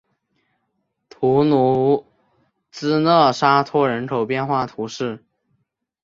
图卢兹勒沙托人口变化图示